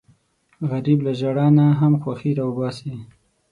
غریب له ژړا نه هم خوښي راوباسي